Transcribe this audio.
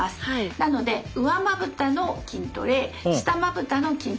なので上まぶたの筋トレ下まぶたの筋トレ。